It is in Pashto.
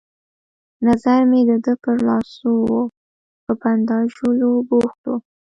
نظر مې د ده پر لاسو وو، په بنداژولو بوخت وو.